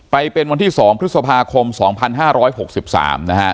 ไปเป็นวันที่๒พฤษภาคม๒๕๖๓นะฮะ